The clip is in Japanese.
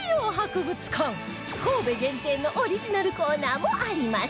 神戸限定のオリジナルコーナーもあります